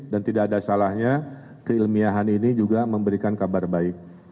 dan tidak ada salahnya keilmiahan ini juga memberikan kabar baik